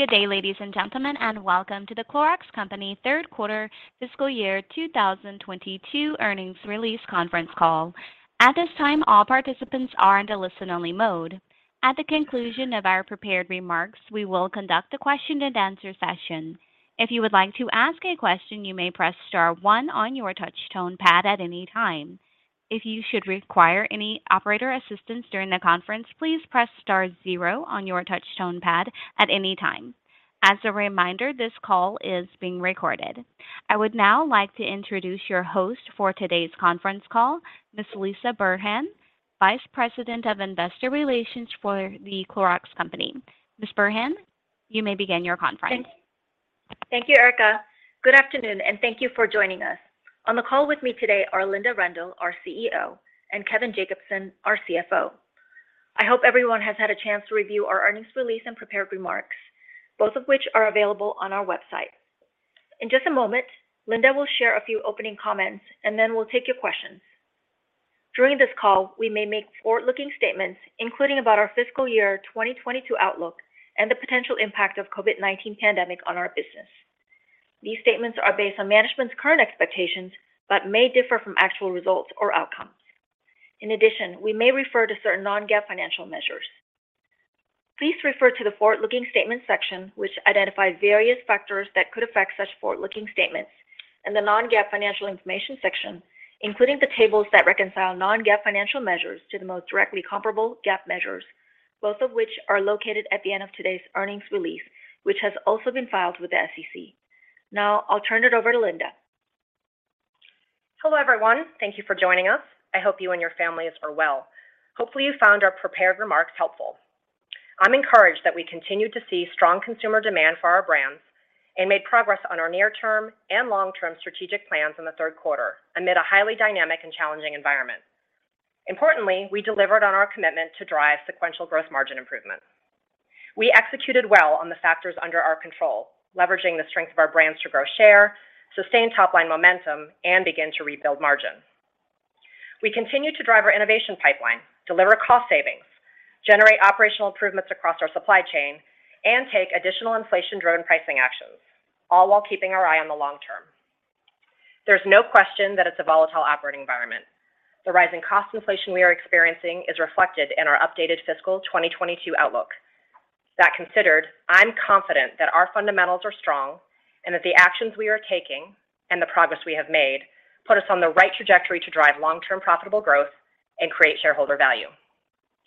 Good day, ladies and gentlemen, and welcome to The Clorox Company Third Quarter Fiscal Year 2022 earnings release conference call. At this time, all participants are in a listen-only mode. At the conclusion of our prepared remarks, we will conduct a question and answer session. If you would like to ask a question, you may press star one on your touch tone pad at any time. If you should require any operator assistance during the conference, please press star zero on your touch tone pad at any time. As a reminder, this call is being recorded. I would now like to introduce your host for today's conference call, Ms. Lisah Burhan, Vice President of Investor Relations for The Clorox Company. Ms. Burhan, you may begin your conference. Thank you, Erica. Good afternoon, and thank you for joining us. On the call with me today are Linda Rendle, our CEO, and Kevin Jacobsen, our CFO. I hope everyone has had a chance to review our earnings release and prepared remarks, both of which are available on our website. In just a moment, Linda will share a few opening comments, and then we'll take your questions. During this call, we may make forward-looking statements, including about our fiscal year 2022 outlook and the potential impact of COVID-19 pandemic on our business. These statements are based on management's current expectations, but may differ from actual results or outcomes. In addition, we may refer to certain non-GAAP financial measures. Please refer to the Forward-Looking Statement section, which identifies various factors that could affect such forward-looking statements and the non-GAAP financial information section, including the tables that reconcile non-GAAP financial measures to the most directly comparable GAAP measures, both of which are located at the end of today's earnings release, which has also been filed with the SEC. Now, I'll turn it over to Linda. Hello, everyone. Thank you for joining us. I hope you and your families are well. Hopefully, you found our prepared remarks helpful. I'm encouraged that we continued to see strong consumer demand for our brands and made progress on our near-term and long-term strategic plans in the third quarter amid a highly dynamic and challenging environment. Importantly, we delivered on our commitment to drive sequential growth margin improvement. We executed well on the factors under our control, leveraging the strength of our brands to grow share, sustain top line momentum, and begin to rebuild margin. We continued to drive our innovation pipeline, deliver cost savings, generate operational improvements across our supply chain, and take additional inflation-driven pricing actions, all while keeping our eye on the long term. There's no question that it's a volatile operating environment. The rising cost inflation we are experiencing is reflected in our updated fiscal 2022 outlook. That considered, I'm confident that our fundamentals are strong and that the actions we are taking and the progress we have made put us on the right trajectory to drive long-term profitable growth and create shareholder value.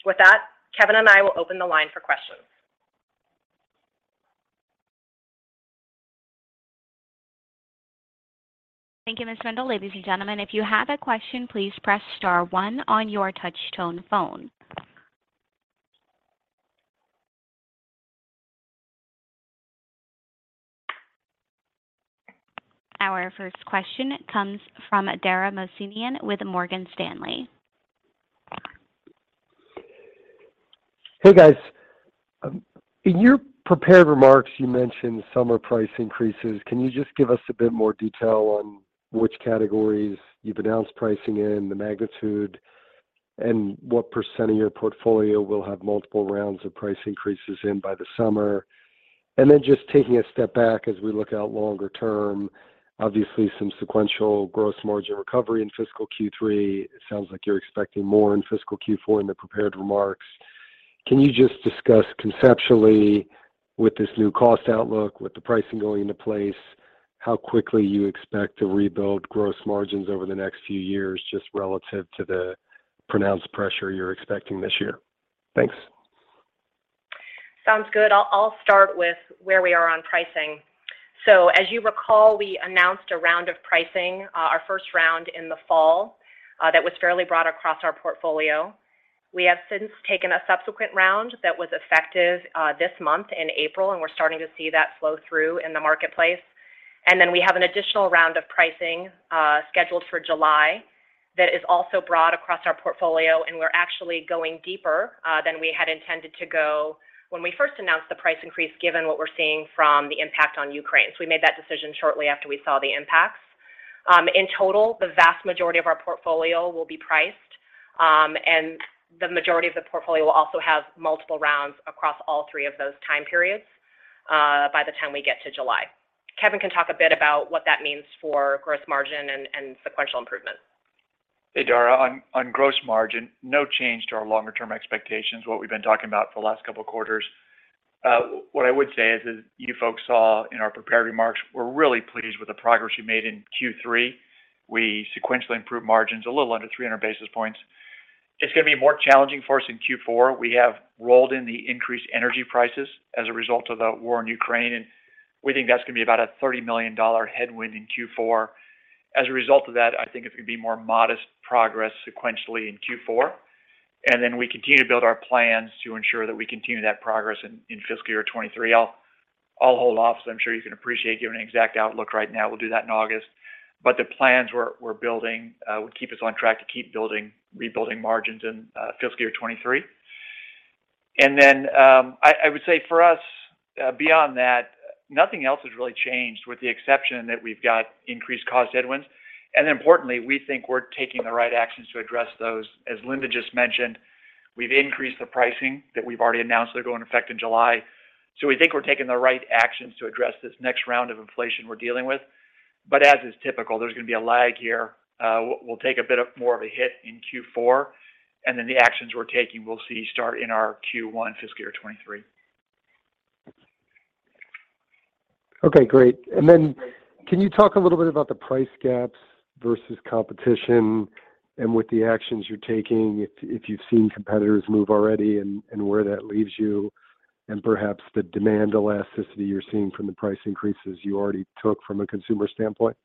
With that, Kevin and I will open the line for questions. Thank you, Ms. Rendle. Ladies and gentlemen, if you have a question, please press star one on your touch tone phone. Our first question comes from Dara Mohsenian with Morgan Stanley. Hey, guys. In your prepared remarks, you mentioned summer price increases. Can you just give us a bit more detail on which categories you've announced pricing in, the magnitude, and what percent of your portfolio will have multiple rounds of price increases in by the summer? Just taking a step back as we look out longer term, obviously some sequential gross margin recovery in fiscal Q3. It sounds like you're expecting more in fiscal Q4 in the prepared remarks. Can you just discuss conceptually with this new cost outlook, with the pricing going into place, how quickly you expect to rebuild gross margins over the next few years, just relative to the pronounced pressure you're expecting this year? Thanks. Sounds good. I'll start with where we are on pricing. As you recall, we announced a round of pricing, our first round in the fall, that was fairly broad across our portfolio. We have since taken a subsequent round that was effective this month in April, and we're starting to see that flow through in the marketplace. We have an additional round of pricing scheduled for July, that is also broad across our portfolio, and we're actually going deeper than we had intended to go when we first announced the price increase, given what we're seeing from the impact on Ukraine. We made that decision shortly after we saw the impacts. In total, the vast majority of our portfolio will be priced, and the majority of the portfolio will also have multiple rounds across all three of those time periods, by the time we get to July. Kevin can talk a bit about what that means for gross margin and sequential improvement. Hey, Dara. On gross margin, no change to our longer-term expectations, what we've been talking about for the last couple of quarters. What I would say is, as you folks saw in our prepared remarks, we're really pleased with the progress we made in Q3. We sequentially improved margins a little under 300 basis points. It's gonna be more challenging for us in Q4. We have rolled in the increased energy prices as a result of the war in Ukraine, and we think that's gonna be about a $30 million headwind in Q4. As a result of that, I think it's gonna be more modest progress sequentially in Q4. We continue to build our plans to ensure that we continue that progress in fiscal year 2023. I'll hold off, so I'm sure you can appreciate giving an exact outlook right now. We'll do that in August. The plans we're building would keep us on track to keep building, rebuilding margins in fiscal year 2023. I would say for us beyond that. Nothing else has really changed with the exception that we've got increased cost headwinds. Importantly, we think we're taking the right actions to address those. As Linda just mentioned, we've increased the pricing that we've already announced that are going into effect in July. We think we're taking the right actions to address this next round of inflation we're dealing with. As is typical, there's gonna be a lag here. We'll take a bit more of a hit in Q4, and then the actions we're taking, we'll see start in our Q1 fiscal year 2023. Okay, great. Can you talk a little bit about the price gaps versus competition and with the actions you're taking if you've seen competitors move already and where that leaves you and perhaps the demand elasticity you're seeing from the price increases you already took from a consumer standpoint?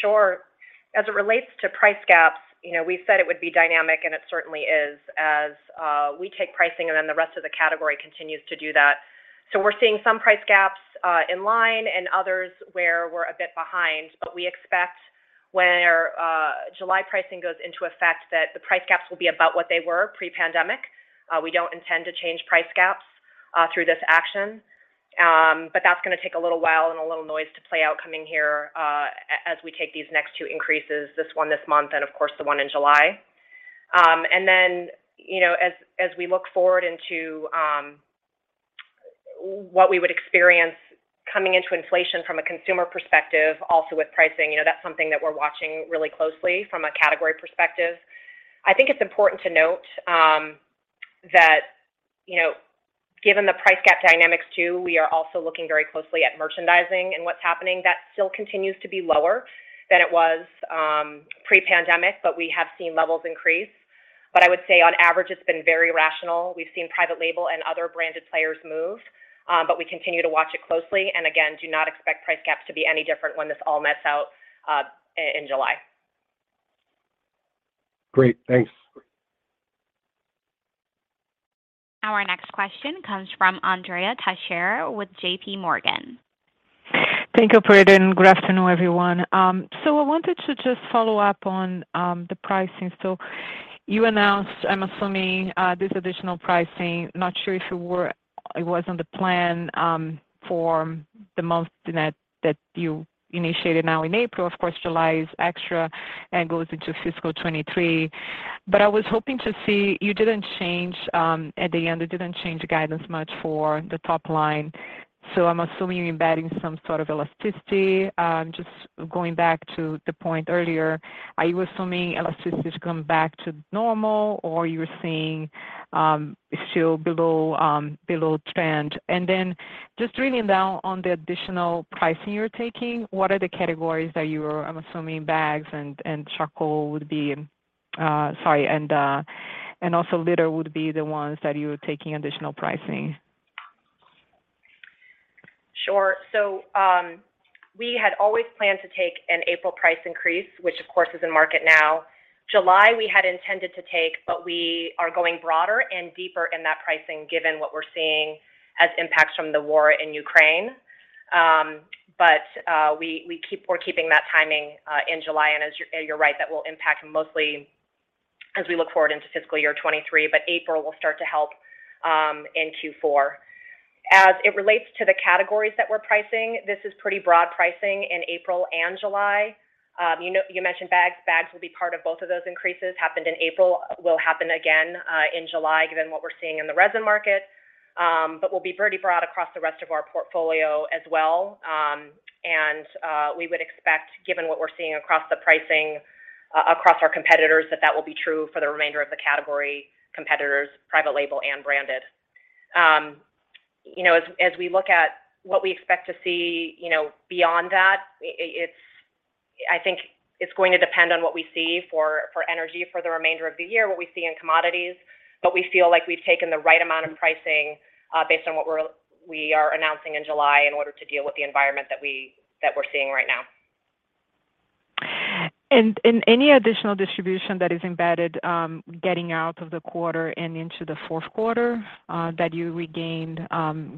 Sure. As it relates to price gaps, you know, we said it would be dynamic, and it certainly is as we take pricing and then the rest of the category continues to do that. We're seeing some price gaps in line and others where we're a bit behind. We expect when our July pricing goes into effect that the price gaps will be about what they were pre-pandemic. We don't intend to change price gaps through this action. That's gonna take a little while and a little noise to play out coming here as we take these next two increases, this one this month and of course the one in July. You know, as we look forward into what we would experience coming into inflation from a consumer perspective also with pricing, you know, that's something that we're watching really closely from a category perspective. I think it's important to note that, you know, given the price gap dynamics too, we are also looking very closely at merchandising and what's happening. That still continues to be lower than it was pre-pandemic, but we have seen levels increase. I would say on average, it's been very rational. We've seen private label and other branded players move, but we continue to watch it closely. Again, do not expect price gaps to be any different when this all nets out in July. Great. Thanks. Our next question comes from Andrea Teixeira with JPMorgan. Thank you, operator, and good afternoon, everyone. I wanted to just follow up on the pricing. You announced, I'm assuming, this additional pricing. Not sure if it was on the plan for the most part that you initiated now in April. Of course, July is extra and goes into fiscal 2023. But I was hoping to see you didn't change the guidance much for the top line. I'm assuming you're embedding some sort of elasticity. Just going back to the point earlier, are you assuming elasticity to come back to normal or you're seeing still below trend? Then just drilling down on the additional pricing you're taking, what are the categories that you are, I'm assuming bags and charcoal would be, sorry, and also litter would be the ones that you're taking additional pricing? Sure. We had always planned to take an April price increase, which of course is in market now. July, we had intended to take, but we are going broader and deeper in that pricing given what we're seeing as impacts from the war in Ukraine. We're keeping that timing in July. You're right, that will impact mostly as we look forward into fiscal year 2023, but April will start to help in Q4. As it relates to the categories that we're pricing, this is pretty broad pricing in April and July. You know, you mentioned bags. Bags will be part of both of those increases, happened in April, will happen again in July given what we're seeing in the resin market. We'll be pretty broad across the rest of our portfolio as well. We would expect, given what we're seeing across the pricing across our competitors, that will be true for the remainder of the category competitors, private label and branded. You know, as we look at what we expect to see, you know, beyond that, I think it's going to depend on what we see for energy for the remainder of the year, what we see in commodities. We feel like we've taken the right amount of pricing, based on what we are announcing in July in order to deal with the environment that we're seeing right now. Any additional distribution that is embedded, getting out of the quarter and into the fourth quarter, that you regained,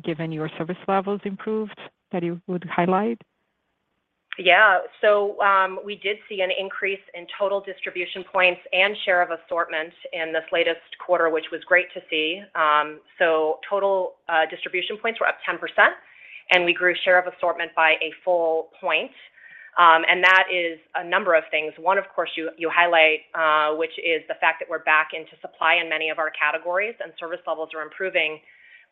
given your service levels improved that you would highlight? Yeah. We did see an increase in total distribution points and share of assortment in this latest quarter, which was great to see. Total distribution points were up 10%, and we grew share of assortment by a full point. That is a number of things. One, of course, you highlight, which is the fact that we're back into supply in many of our categories and service levels are improving.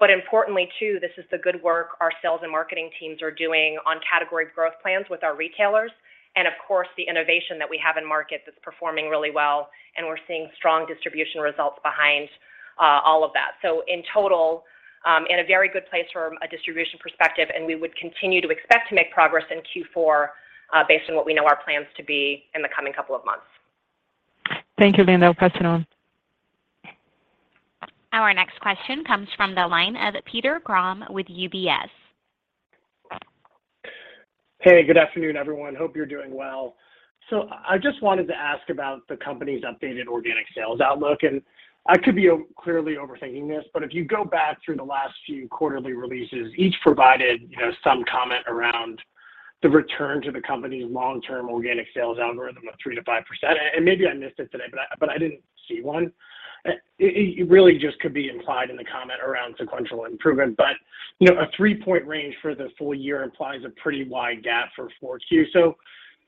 But importantly too, this is the good work our sales and marketing teams are doing on category growth plans with our retailers and of course the innovation that we have in markets that's performing really well, and we're seeing strong distribution results behind all of that. In total, in a very good place from a distribution perspective, and we would continue to expect to make progress in Q4, based on what we know our plans to be in the coming couple of months. Thank you, Linda. Pressing on. Our next question comes from the line of Peter Grom with UBS. Hey, good afternoon, everyone. Hope you're doing well. I just wanted to ask about the company's updated organic sales outlook. I could be clearly overthinking this, but if you go back through the last few quarterly releases, each provided, you know, some comment around. The return to the company's long-term organic sales algorithm of 3%-5%, and maybe I missed it today, but I didn't see one. It really just could be implied in the comment around sequential improvement. You know, a three-point range for the full year implies a pretty wide gap for 4Q.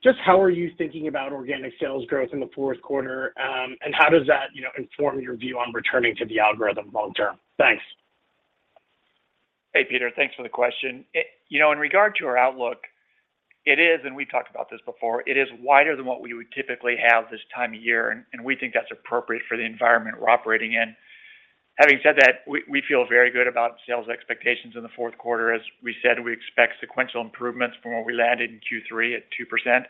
Just how are you thinking about organic sales growth in the fourth quarter? How does that, you know, inform your view on returning to the algorithm long term? Thanks. Hey, Peter. Thanks for the question. You know, in regard to our outlook, it is, and we've talked about this before, it is wider than what we would typically have this time of year, and we think that's appropriate for the environment we're operating in. Having said that, we feel very good about sales expectations in the fourth quarter. As we said, we expect sequential improvements from where we landed in Q3 at 2%.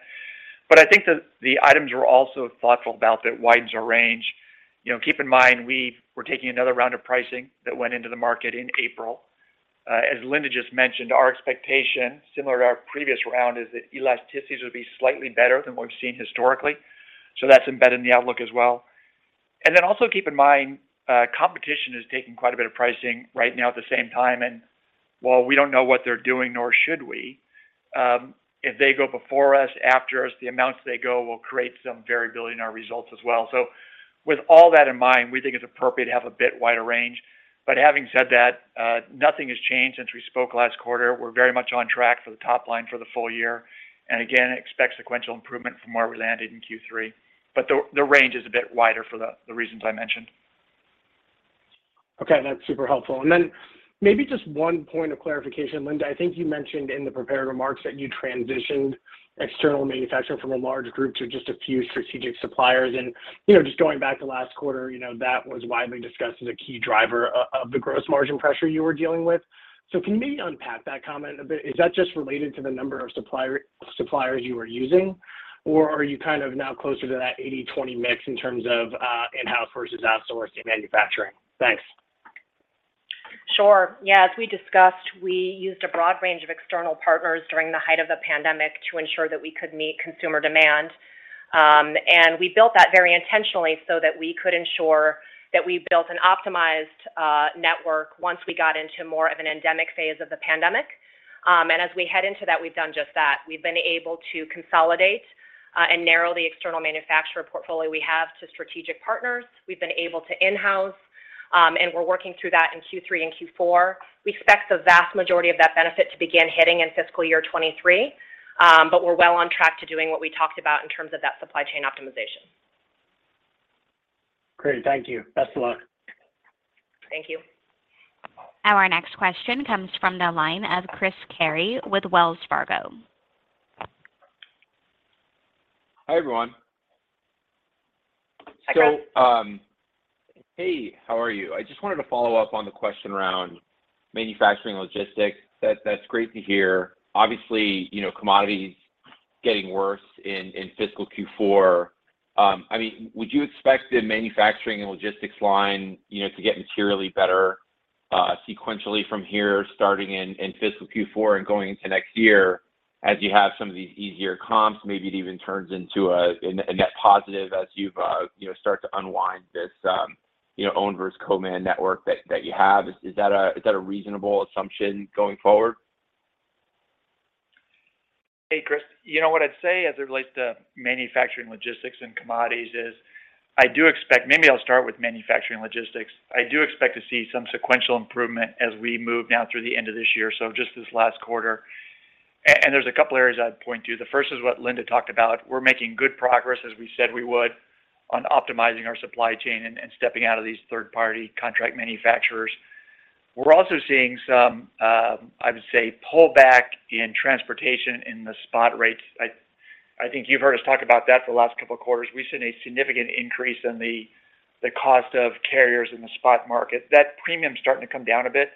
I think that the items we're also thoughtful about that widens our range. You know, keep in mind we're taking another round of pricing that went into the market in April. As Linda just mentioned, our expectation, similar to our previous round, is that elasticities would be slightly better than what we've seen historically. That's embedded in the outlook as well. Keep in mind, competition is taking quite a bit of pricing right now at the same time. While we don't know what they're doing, nor should we, if they go before us, after us, the amounts they go will create some variability in our results as well. With all that in mind, we think it's appropriate to have a bit wider range. Having said that, nothing has changed since we spoke last quarter. We're very much on track for the top line for the full year, and again, expect sequential improvement from where we landed in Q3. The range is a bit wider for the reasons I mentioned. Okay, that's super helpful. Then maybe just one point of clarification. Linda, I think you mentioned in the prepared remarks that you transitioned external manufacturing from a large group to just a few strategic suppliers. You know, just going back to last quarter, you know, that was widely discussed as a key driver of the gross margin pressure you were dealing with. Can you maybe unpack that comment a bit? Is that just related to the number of suppliers you are using, or are you kind of now closer to that 80/20 mix in terms of in-house versus outsourced in manufacturing? Thanks. Sure. Yeah. As we discussed, we used a broad range of external partners during the height of the pandemic to ensure that we could meet consumer demand. We built that very intentionally so that we could ensure that we built an optimized network once we got into more of an endemic phase of the pandemic. As we head into that, we've done just that. We've been able to consolidate and narrow the external manufacturer portfolio we have to strategic partners. We've been able to in-house and we're working through that in Q3 and Q4. We expect the vast majority of that benefit to begin hitting in fiscal year 2023. We're well on track to doing what we talked about in terms of that supply chain optimization. Great. Thank you. Best of luck. Thank you. Our next question comes from the line of Chris Carey with Wells Fargo. Hi, everyone. Hi, Chris. Hey, how are you? I just wanted to follow up on the question around manufacturing logistics. That, that's great to hear. Obviously, you know, commodities getting worse in fiscal Q4. I mean, would you expect the manufacturing and logistics line, you know, to get materially better sequentially from here, starting in fiscal Q4 and going into next year as you have some of these easier comps, maybe it even turns into a net positive as you've, you know, start to unwind this, you know, own versus co-man network that you have? Is that a reasonable assumption going forward? Hey, Chris. You know, what I'd say as it relates to manufacturing, logistics and commodities is maybe I'll start with manufacturing logistics. I do expect to see some sequential improvement as we move now through the end of this year, so just this last quarter. There's a couple areas I'd point to. The first is what Linda talked about. We're making good progress, as we said we would, on optimizing our supply chain and stepping out of these third-party contract manufacturers. We're also seeing some, I would say, pullback in transportation in the spot rates. I think you've heard us talk about that the last couple of quarters. We've seen a significant increase in the cost of carriers in the spot market. That premium's starting to come down a bit,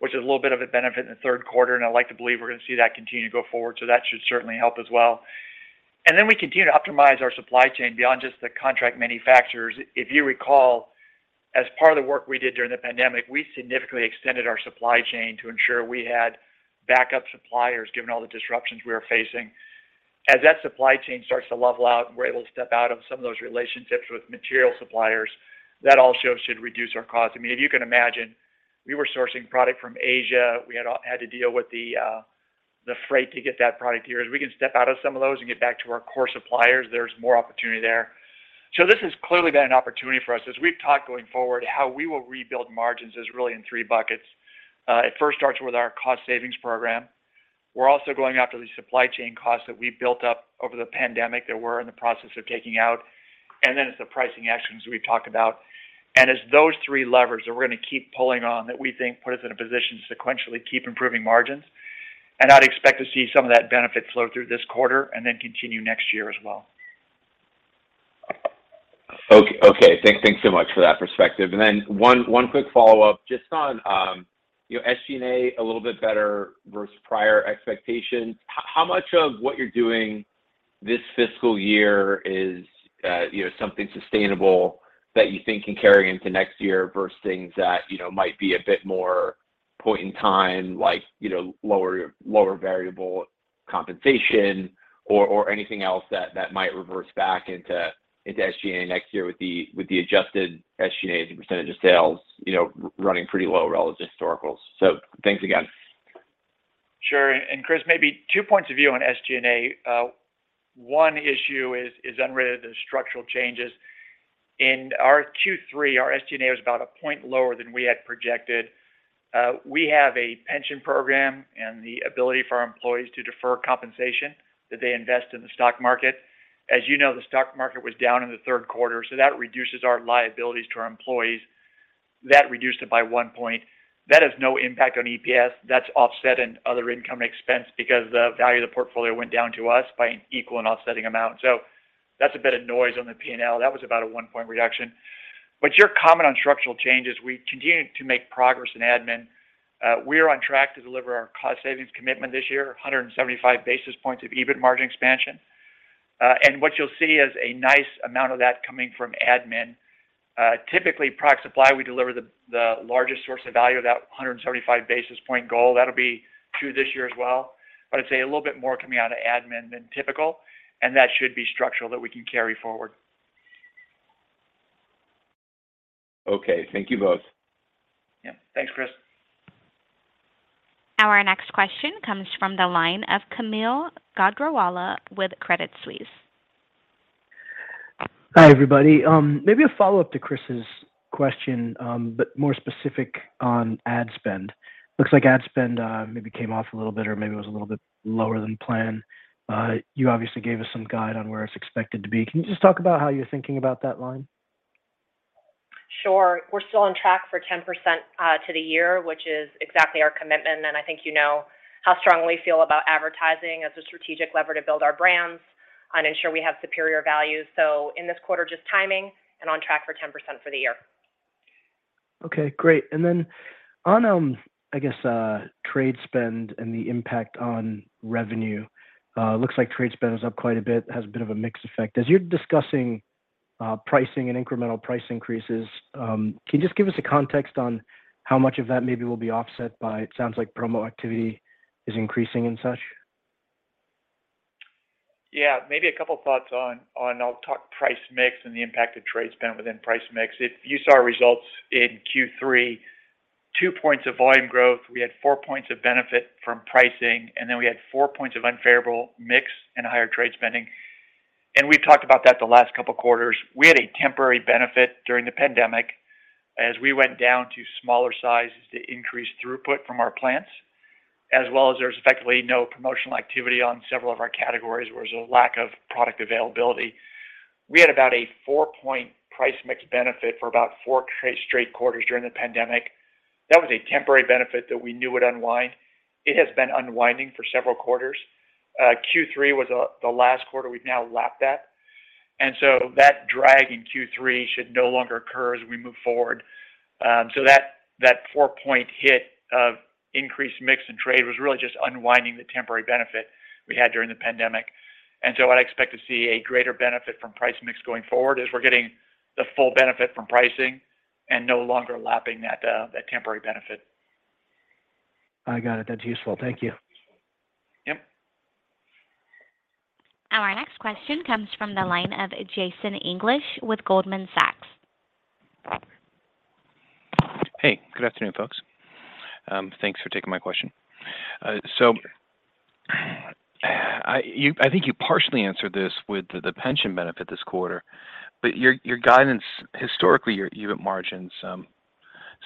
which is a little bit of a benefit in the third quarter, and I'd like to believe we're gonna see that continue to go forward. That should certainly help as well. Then we continue to optimize our supply chain beyond just the contract manufacturers. If you recall, as part of the work we did during the pandemic, we significantly extended our supply chain to ensure we had backup suppliers, given all the disruptions we were facing. As that supply chain starts to level out and we're able to step out of some of those relationships with material suppliers, that also should reduce our costs. I mean, if you can imagine, we were sourcing product from Asia. We had to deal with the freight to get that product here. As we can step out of some of those and get back to our core suppliers, there's more opportunity there. This has clearly been an opportunity for us. As we've talked going forward, how we will rebuild margins is really in three buckets. It first starts with our cost savings program. We're also going after the supply chain costs that we built up over the pandemic that we're in the process of taking out. Then it's the pricing actions we've talked about. It's those three levers that we're gonna keep pulling on that we think put us in a position to sequentially keep improving margins. I'd expect to see some of that benefit flow through this quarter and then continue next year as well. Okay. Thanks so much for that perspective. One quick follow-up just on, you know, SG&A a little bit better versus prior expectations. How much of what you're doing this fiscal year is, you know, something sustainable that you think can carry into next year versus things that, you know, might be a bit more point in time, like, you know, lower variable compensation? Or anything else that that might reverse back into SG&A next year with the adjusted SG&A as a percentage of sales, you know, running pretty low relative to historicals? Thanks again. Sure. Chris, maybe two points of view on SG&A. One issue is unrelated to the structural changes. In our Q3, our SG&A was about a point lower than we had projected. We have a pension program and the ability for our employees to defer compensation that they invest in the stock market. As you know, the stock market was down in the third quarter, so that reduces our liabilities to our employees. That reduced it by one point. That has no impact on EPS. That's offset in other income expense because the value of the portfolio went down to us by an equal and offsetting amount. That's a bit of noise on the P&L. That was about a one point reduction. Your comment on structural changes, we continue to make progress in admin. We are on track to deliver our cost savings commitment this year, 175 basis points of EBIT margin expansion. What you'll see is a nice amount of that coming from admin. Typically, proc supply, we deliver the largest source of value of that 175 basis point goal. That'll be true this year as well. I'd say a little bit more coming out of admin than typical, and that should be structural that we can carry forward. Okay. Thank you both. Yeah. Thanks, Chris. Our next question comes from the line of Kaumil Gajrawala with Credit Suisse. Hi, everybody. Maybe a follow-up to Chris's question, but more specific on ad spend. Looks like ad spend maybe came off a little bit or maybe it was a little bit lower than planned. You obviously gave us some guide on where it's expected to be. Can you just talk about how you're thinking about that line? Sure. We're still on track for 10% to the year, which is exactly our commitment. I think you know how strongly we feel about advertising as a strategic lever to build our brands and ensure we have superior value. In this quarter, just timing and on track for 10% for the year. Okay, great. On, I guess, trade spend and the impact on revenue, it looks like trade spend is up quite a bit, has a bit of a mixed effect. As you're discussing, pricing and incremental price increases, can you just give us a context on how much of that maybe will be offset by, it sounds like promo activity is increasing and such? Yeah, maybe a couple of thoughts on. I'll talk price mix and the impact of trade spend within price mix. If you saw our results in Q3, 2% volume growth, we had 4% benefit from pricing, and then we had four points of unfavorable mix and higher trade spending. We've talked about that the last couple of quarters. We had a temporary benefit during the pandemic as we went down to smaller sizes to increase throughput from our plants, as well as there was effectively no promotional activity on several of our categories, where there was a lack of product availability. We had about a four-point price mix benefit for about four straight quarters during the pandemic. That was a temporary benefit that we knew would unwind. It has been unwinding for several quarters. Q3 was the last quarter. We've now lapped that. That drag in Q3 should no longer occur as we move forward. That four-point hit of increased mix and trade was really just unwinding the temporary benefit we had during the pandemic. I'd expect to see a greater benefit from price mix going forward as we're getting the full benefit from pricing and no longer lapping that temporary benefit. I got it. That's useful. Thank you. Yep. Our next question comes from the line of Jason English with Goldman Sachs. Hey, good afternoon, folks. Thanks for taking my question. I think you partially answered this with the pension benefit this quarter, but your guidance, historically, your margins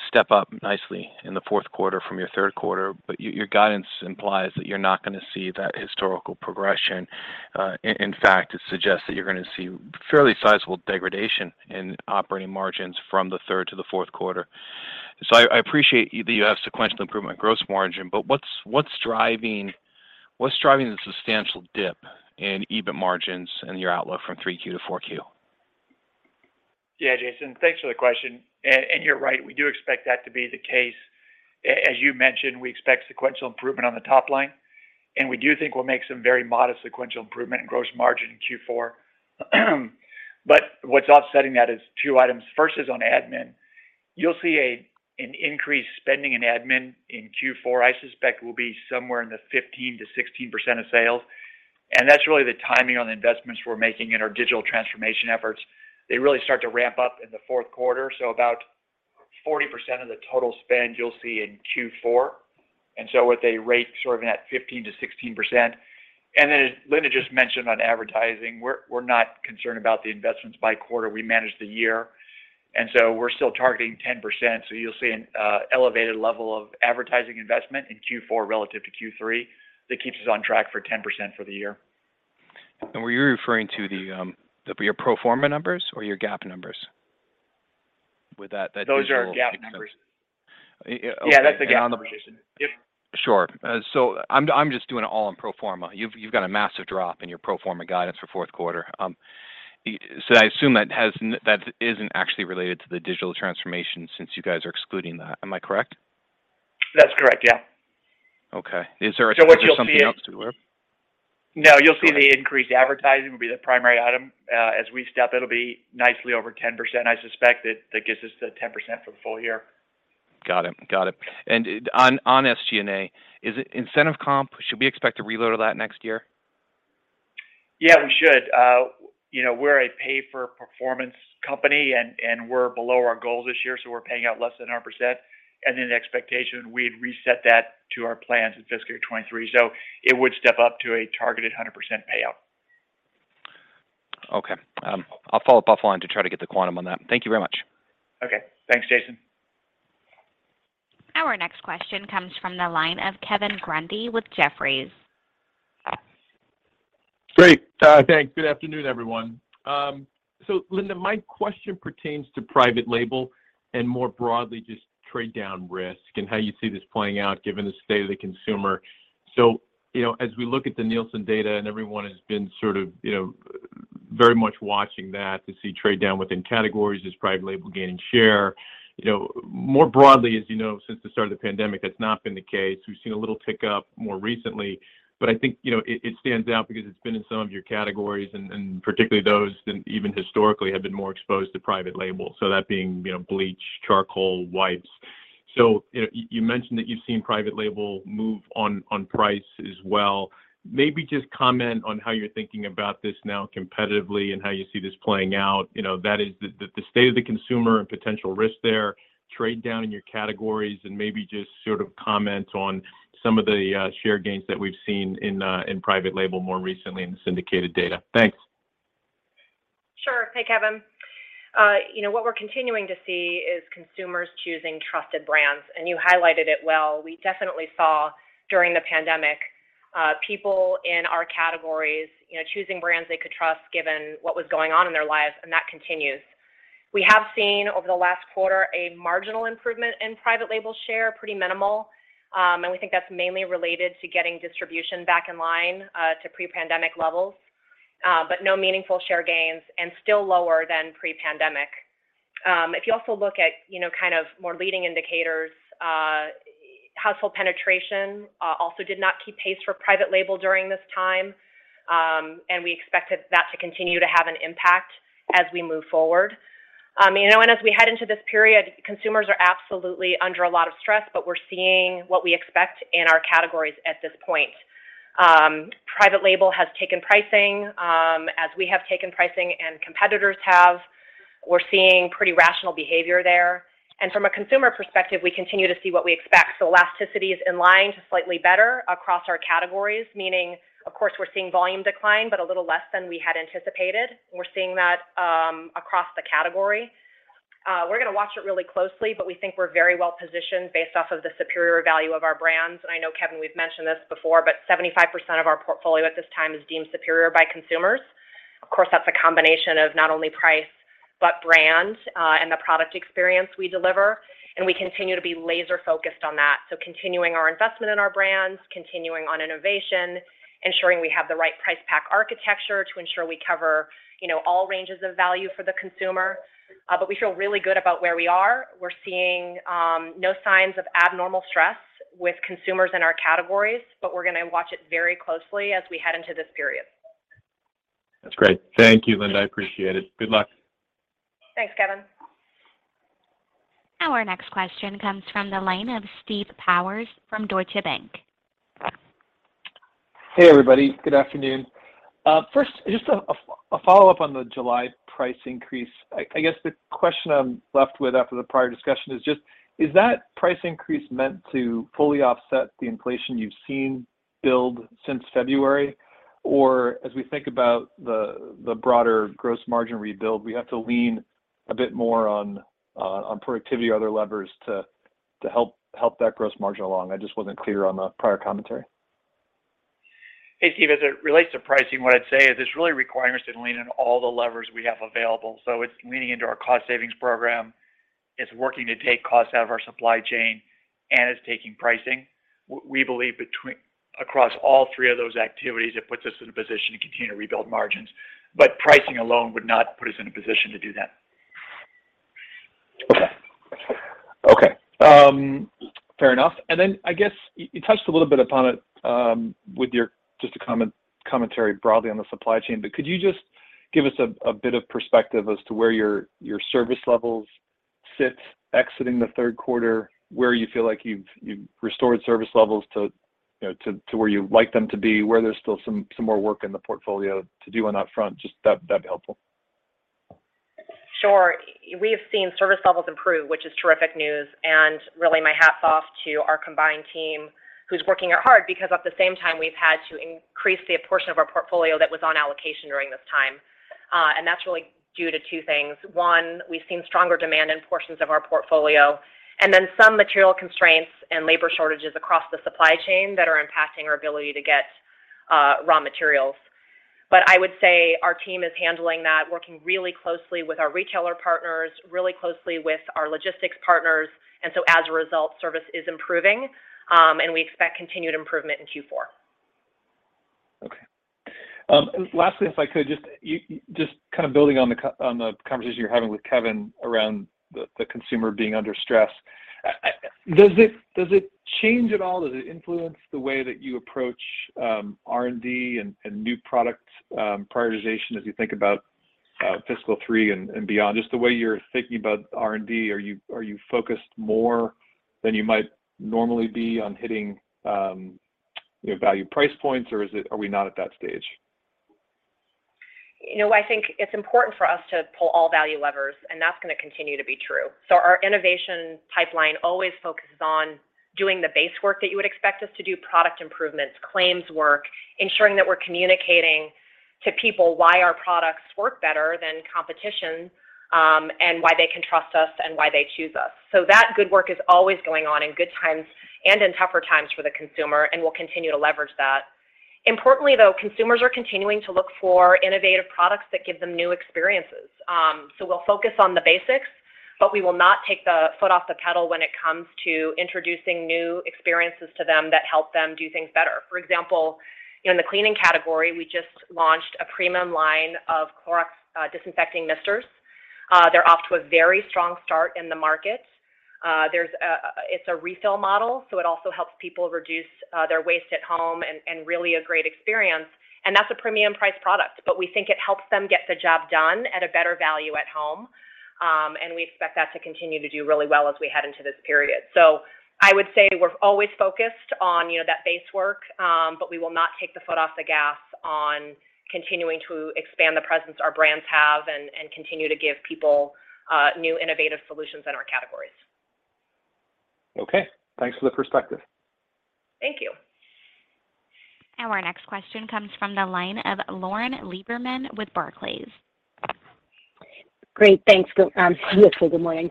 step up nicely in the fourth quarter from your third quarter, but your guidance implies that you're not gonna see that historical progression. In fact, it suggests that you're gonna see fairly sizable degradation in operating margins from the third to the fourth quarter. I appreciate that you have sequential improvement gross margin, but what's driving the substantial dip in EBIT margins and your outlook from 3Q to 4Q? Yeah, Jason. Thanks for the question. You're right, we do expect that to be the case. As you mentioned, we expect sequential improvement on the top line, and we do think we'll make some very modest sequential improvement in gross margin in Q4. What's offsetting that is two items. First is on admin. You'll see an increased spending in admin in Q4. I suspect it will be somewhere in the 15%-16% of sales. That's really the timing on the investments we're making in our digital transformation efforts. They really start to ramp up in the fourth quarter, so about 40% of the total spend you'll see in Q4. At a rate sort of at 15%-16%. As Linda just mentioned on advertising, we're not concerned about the investments by quarter. We manage the year. We're still targeting 10%. You'll see an elevated level of advertising investment in Q4 relative to Q3 that keeps us on track for 10% for the year. Were you referring to your pro format numbers or your GAAP numbers with that digital- Those are GAAP numbers. Okay. Yeah, that's the GAAP position. And on the- Yep. Sure. I'm just doing it all in pro forma. You've got a massive drop in your pro forma guidance for fourth quarter. I assume that isn't actually related to the digital transformation since you guys are excluding that. Am I correct? That's correct, yeah. Okay. What you'll see. Is there something else to it? No. All right. You'll see the increased advertising will be the primary item. As we step, it'll be nicely over 10%, I suspect, that gets us to 10% for the full year. Got it. On SG&A, is it incentive comp? Should we expect a reload of that next year? Yeah, we should. You know, we're a pay-for-performance company, and we're below our goal this year, so we're paying out less than 100%. The expectation, we'd reset that to our plans in fiscal year 2023. It would step up to a targeted 100% payout. Okay. I'll follow up offline to try to get the quantum on that. Thank you very much. Okay. Thanks, Jason. Our next question comes from the line of Kevin Grundy with Jefferies. Great. Thanks. Good afternoon, everyone. Linda, my question pertains to private label and more broadly just trade down risk and how you see this playing out given the state of the consumer. You know, as we look at the Nielsen data, and everyone has been sort of, you know, very much watching that to see trade down within categories as private label gaining share. You know, more broadly, as you know, since the start of the pandemic, that's not been the case. We've seen a little tick up more recently, but I think, you know, it stands out because it's been in some of your categories and particularly those that even historically have been more exposed to private label. That being, you know, bleach, charcoal, wipes. You know, you mentioned that you've seen private label move on price as well. Maybe just comment on how you're thinking about this now competitively and how you see this playing out? You know, that is the state of the consumer and potential risk there, trade down in your categories, and maybe just sort of comment on some of the share gains that we've seen in private label more recently in the syndicated data. Thanks. Sure. Hey, Kevin. You know, what we're continuing to see is consumers choosing trusted brands, and you highlighted it well. We definitely saw during the pandemic, people in our categories, you know, choosing brands they could trust given what was going on in their lives, and that continues. We have seen over the last quarter a marginal improvement in private label share, pretty minimal. We think that's mainly related to getting distribution back in line to pre-pandemic levels. No meaningful share gains and still lower than pre-pandemic. If you also look at, you know, kind of more leading indicators, household penetration also did not keep pace for private label during this time. We expected that to continue to have an impact as we move forward. As we head into this period, consumers are absolutely under a lot of stress, but we're seeing what we expect in our categories at this point. Private label has taken pricing, as we have taken pricing and competitors have. We're seeing pretty rational behavior there. From a consumer perspective, we continue to see what we expect. Elasticity is in line to slightly better across our categories, meaning, of course, we're seeing volume decline, but a little less than we had anticipated. We're seeing that across the category. We're gonna watch it really closely, but we think we're very well positioned based off of the superior value of our brands. I know, Kevin, we've mentioned this before, but 75% of our portfolio at this time is deemed superior by consumers. Of course, that's a combination of not only price, but brand, and the product experience we deliver, and we continue to be laser focused on that. Continuing our investment in our brands, continuing on innovation, ensuring we have the right price pack architecture to ensure we cover, you know, all ranges of value for the consumer. We feel really good about where we are. We're seeing no signs of abnormal stress with consumers in our categories, but we're gonna watch it very closely as we head into this period. That's great. Thank you, Linda. I appreciate it. Good luck. Thanks, Kevin. Our next question comes from the line of Steve Powers from Deutsche Bank. Hey, everybody. Good afternoon. First, just a follow-up on the July price increase. I guess the question I'm left with after the prior discussion is just, is that price increase meant to fully offset the inflation you've seen build since February? Or as we think about the broader gross margin rebuild, we have to lean a bit more on productivity or other levers to help that gross margin along? I just wasn't clear on the prior commentary. Hey, Steve. As it relates to pricing, what I'd say is it's really requiring us to lean on all the levers we have available. It's leaning into our cost savings program, it's working to take costs out of our supply chain, and it's taking pricing. We believe across all three of those activities, it puts us in a position to continue to rebuild margins. Pricing alone would not put us in a position to do that. Fair enough. I guess you touched a little bit upon it with your just a commentary broadly on the supply chain, but could you just give us a bit of perspective as to where your service levels sit exiting the third quarter, where you feel like you've restored service levels to where you'd like them to be, where there's still some more work in the portfolio to do on that front? Just that'd be helpful. Sure. We have seen service levels improve, which is terrific news, and really my hats off to our combined team who's working hard because at the same time, we've had to increase the portion of our portfolio that was on allocation during this time. And that's really due to two things. One, we've seen stronger demand in portions of our portfolio, and then some material constraints and labor shortages across the supply chain that are impacting our ability to get raw materials. I would say our team is handling that, working really closely with our retailer partners, really closely with our logistics partners. As a result, service is improving, and we expect continued improvement in Q4. Okay. Lastly, if I could just kind of building on the conversation you're having with Kevin around the consumer being under stress. Does it change at all? Does it influence the way that you approach R&D and new product prioritization as you think about. Fiscal three and beyond, just the way you're thinking about R&D, are you focused more than you might normally be on hitting, you know, value price points, or is it? Are we not at that stage? You know, I think it's important for us to pull all value levers, and that's gonna continue to be true. Our innovation pipeline always focuses on doing the base work that you would expect us to do, product improvements, claims work, ensuring that we're communicating to people why our products work better than competition, and why they can trust us and why they choose us. That good work is always going on in good times and in tougher times for the consumer, and we'll continue to leverage that. Importantly, though, consumers are continuing to look for innovative products that give them new experiences. We'll focus on the basics, but we will not take the foot off the pedal when it comes to introducing new experiences to them that help them do things better. For example, you know, in the cleaning category, we just launched a premium line of Clorox Disinfecting Mists. They're off to a very strong start in the market. It's a refill model, so it also helps people reduce their waste at home and really a great experience, and that's a premium price product. But we think it helps them get the job done at a better value at home, and we expect that to continue to do really well as we head into this period. I would say we're always focused on, you know, that base work, but we will not take the foot off the gas on continuing to expand the presence our brands have and continue to give people new innovative solutions in our categories. Okay. Thanks for the perspective. Thank you. Our next question comes from the line of Lauren Lieberman with Barclays. Great. Thanks, Linda, good morning.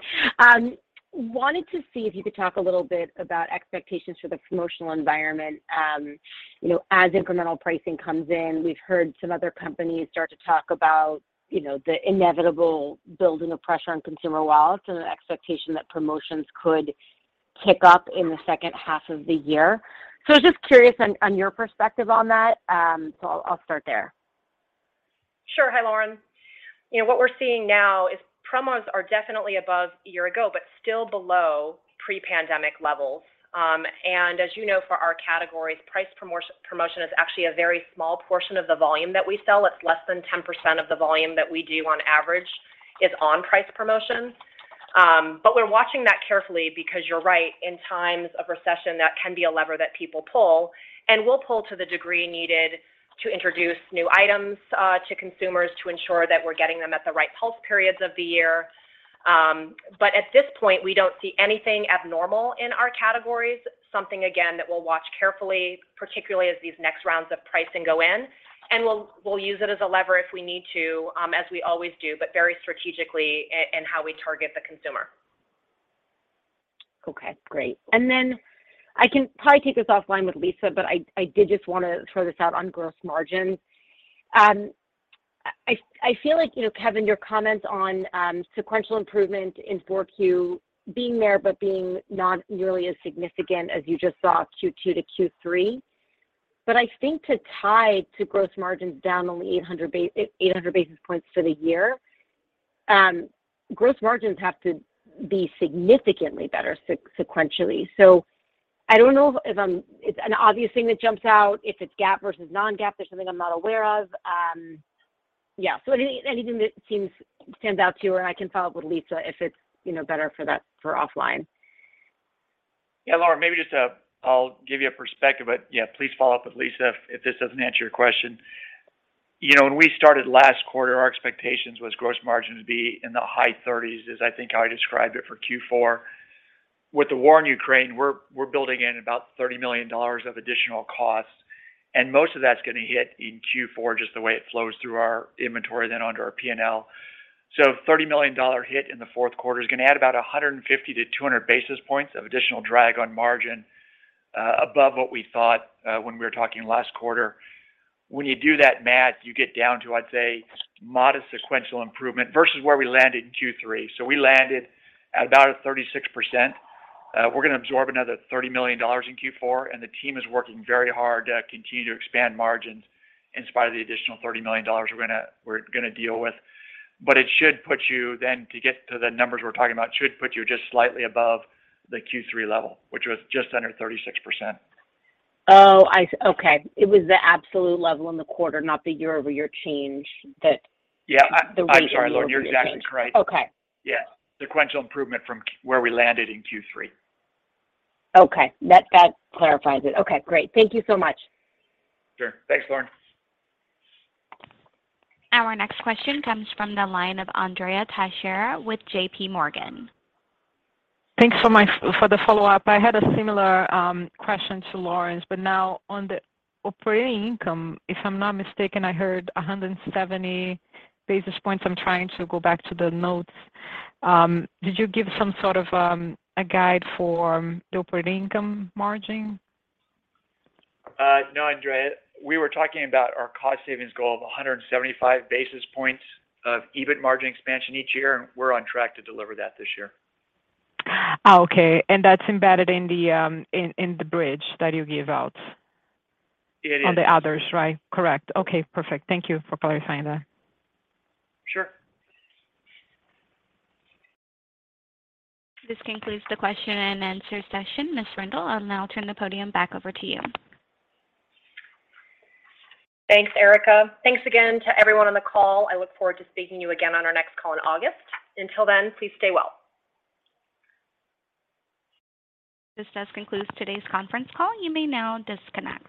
Wanted to see if you could talk a little bit about expectations for the promotional environment. You know, as incremental pricing comes in, we've heard some other companies start to talk about, you know, the inevitable building of pressure on consumer wallets and the expectation that promotions could kick up in the second half of the year. Just curious on your perspective on that. I'll start there. Sure. Hi, Lauren. You know, what we're seeing now is promos are definitely above year ago, but still below pre-pandemic levels. As you know, for our categories, price promotion is actually a very small portion of the volume that we sell. It's less than 10% of the volume that we do on average is on price promotions. We're watching that carefully because you're right, in times of recession, that can be a lever that people pull, and we'll pull to the degree needed to introduce new items to consumers to ensure that we're getting them at the right pulse periods of the year. At this point, we don't see anything abnormal in our categories, something again that we'll watch carefully, particularly as these next rounds of pricing go in. We'll use it as a lever if we need to, as we always do, but very strategically in how we target the consumer. Okay, great. I can probably take this offline with Linda, but I did just wanna throw this out on gross margin. I feel like, you know, Kevin, your comments on sequential improvement in 4Q being there, but being not nearly as significant as you just saw Q2 to Q3. I think to tie to gross margins down only 800 basis points for the year, gross margins have to be significantly better sequentially. I don't know if I'm. It's an obvious thing that jumps out, if it's GAAP versus non-GAAP. There's something I'm not aware of. Anything that stands out to you, and I can follow up with Linda if it's, you know, better for that offline. Yeah, Lauren, maybe just a... I'll give you a perspective, but yeah, please follow up with Linda if this doesn't answer your question. You know, when we started last quarter, our expectations was gross margin to be in the high 30s%, is I think how I described it for Q4. With the war in Ukraine, we're building in about $30 million of additional costs, and most of that's gonna hit in Q4, just the way it flows through our inventory then onto our P&L. So $30 million hit in the fourth quarter is gonna add about 150-200 basis points of additional drag on margin, above what we thought, when we were talking last quarter. When you do that math, you get down to, I'd say, modest sequential improvement versus where we landed in Q3. We landed at about 36%. We're gonna absorb another $30 million in Q4, and the team is working very hard to continue to expand margins in spite of the additional $30 million we're gonna deal with. It should put you then, to get to the numbers we're talking about, should put you just slightly above the Q3 level, which was just under 36%. Okay. It was the absolute level in the quarter, not the year-over-year change that. Yeah. The rate of year-over-year change. I'm sorry, Lauren. You're exactly right. Okay. Yeah. Sequential improvement from where we landed in Q3. Okay. That clarifies it. Okay, great. Thank you so much. Sure. Thanks, Lauren. Our next question comes from the line of Andrea Teixeira with J.P. Morgan. Thanks for the follow-up. I had a similar question to Lauren's, but now on the operating income, if I'm not mistaken, I heard 170 basis points. I'm trying to go back to the notes. Did you give some sort of a guide for the operating income margin? No, Andrea. We were talking about our cost savings goal of 175 basis points of EBIT margin expansion each year, and we're on track to deliver that this year. Oh, okay. That's embedded in the bridge that you gave out. It is. on the others, right? Correct. Okay, perfect. Thank you for clarifying that. Sure. This concludes the question and answer session. Ms. Rendle, I'll now turn the podium back over to you. Thanks, Erica. Thanks again to everyone on the call. I look forward to speaking to you again on our next call in August. Until then, please stay well. This does conclude today's conference call. You may now disconnect.